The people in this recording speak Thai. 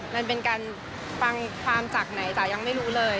มันเป็นการฟังความจากไหนจ๋ายังไม่รู้เลย